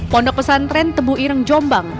pondok pesantren tebuireng jombang